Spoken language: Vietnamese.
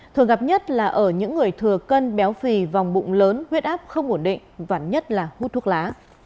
thường gặp nhất là ở những người thừa cân béo phì vòng bụng lớn huyết áp không ổn định và nhất là hút thuốc lá